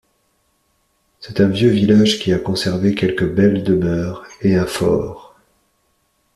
C'est un vieux village qui a conservé quelques belles demeures et un fort.